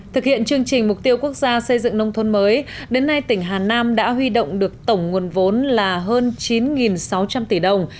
thực hiện chương trình mục tiêu quốc gia xây dựng nông thôn mới đến nay tỉnh hà nam đã huy động được tổng nguồn vốn là hơn chín sáu trăm linh tỷ đồng